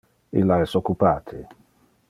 Illa es occupate